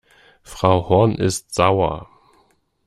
Frau Horn ist sauer.